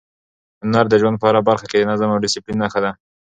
هنر د ژوند په هره برخه کې د نظم او ډیسپلین نښه ده.